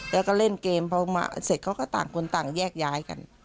แล้วก็เล่นเกมพอมาเสร็จเขาก็ต่างคนต่างแยกย้ายกัน